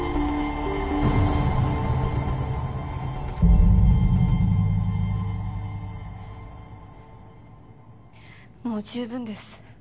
現在もう十分です。